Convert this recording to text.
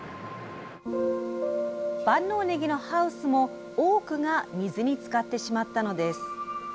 万能ねぎのハウスも多くが水につかってしまったのです。